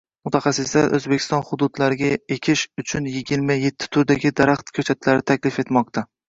Mutaxassislar O‘zbekiston hududlariga ekish uchunyigirma yettiturdagi daraxt ko‘chatlari taklif etmoqda